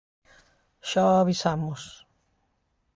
Xa o avisamos.